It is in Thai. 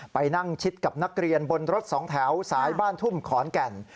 ไปนั่งชิดกับนักเรียนบนรถสองแถวสายบ้านทุ่มขอนแก่น